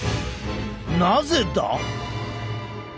なぜだ？